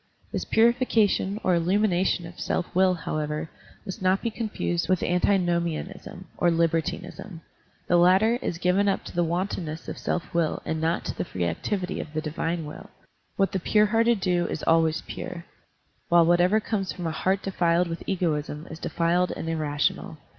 This pxirification or illtunination of self will, however, must not be confused with antinomi anism or libertinism. The latter is given up to the wantonness of self will and not to the free activity of the divine will. What the pure hearted do is always pure, while whatever comes from a heart defiled with egoism is defiled and irrational.